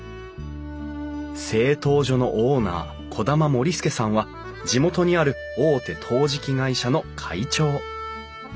製陶所のオーナー兒玉盛介さんは地元にある大手陶磁器会社の会長。